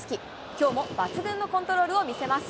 きょうも抜群のコントロールを見せます。